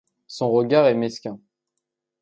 Son regard est mesquin.